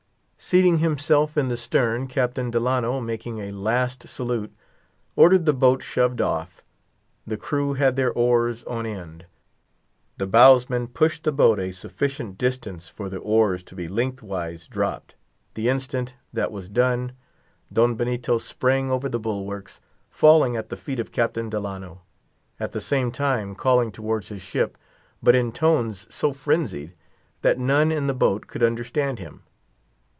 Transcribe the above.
Seating himself in the stern, Captain Delano, making a last salute, ordered the boat shoved off. The crew had their oars on end. The bowsmen pushed the boat a sufficient distance for the oars to be lengthwise dropped. The instant that was done, Don Benito sprang over the bulwarks, falling at the feet of Captain Delano; at the same time calling towards his ship, but in tones so frenzied, that none in the boat could understand him.